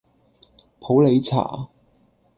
普洱茶